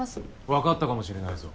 わかったかもしれないぞ。